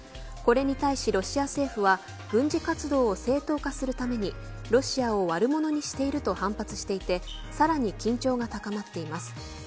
これに対し、ロシア政府は軍事活動を正当化するためにロシアを悪者にしていると反発していてさらに緊張が高まっています。